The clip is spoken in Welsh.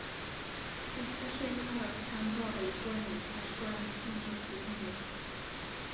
Os gall hyn aros tan fory Gwener gall Gwen wneud bryd hynny.